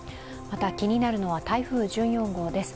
また気になるのは台風１４号です。